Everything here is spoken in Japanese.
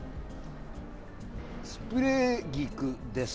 スプレー菊です。